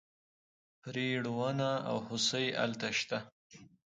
پریړونه او هوسۍ هلته شته.